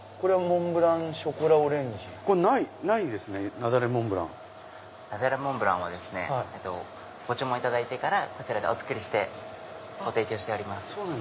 雪崩モンブランはですねご注文いただいてからこちらでお作りしてご提供しております。